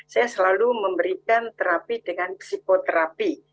saya selalu memberikan terapi dengan psikoterapi